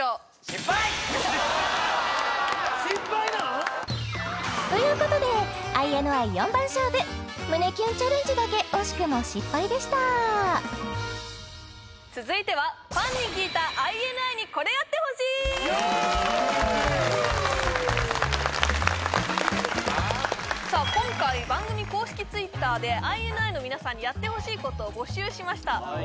失敗なん？ということでＩＮＩ４番勝負胸キュンチャレンジだけ惜しくも失敗でした続いてはさあ今回番組公式ＴｗｉｔｔｅｒでＩＮＩの皆さんにやってほしいことを募集しました